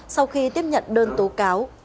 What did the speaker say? sau khi tiếp nhận đơn tố cáo